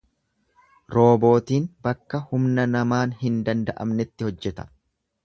Roobootiin bakka humna namaan hin danda'amnetti hojjeta.